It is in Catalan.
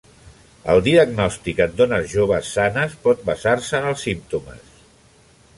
El diagnòstic en dones joves sanes pot basar-se en els símptomes.